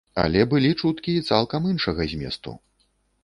Але былі чуткі і цалкам іншага зместу.